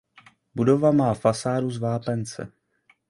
Budova má fasádu z vápence.